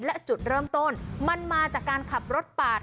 และจุดเริ่มต้นมันมาจากการขับรถปาด